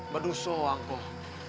berdusa wang kau